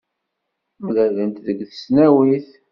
Mlalent deg tesnawit.